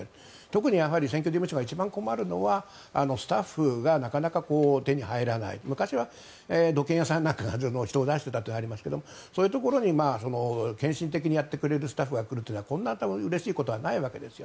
特に選挙事務所が一番困るのはスタッフがなかなか手に入らない昔は土建屋さんなんかが人を出していたといわれますがそういうところに献身的にやってくれるスタッフが来るというのはこんなうれしいことはないわけです。